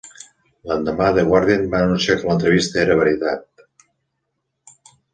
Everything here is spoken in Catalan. L'endemà "The Guardian" va anunciar que l'entrevista era veritat.